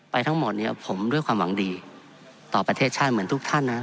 ทั้งหมดเนี่ยผมด้วยความหวังดีต่อประเทศชาติเหมือนทุกท่านนะ